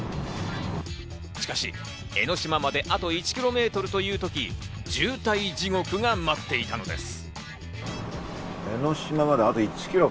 しかし江の島まであと１キロメートルという時、渋滞地獄が待っていたのです。